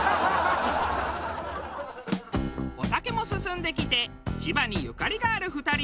お酒も進んできて千葉にゆかりがある２人の千葉トークへ。